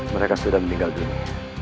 mereka sudah meninggal dunia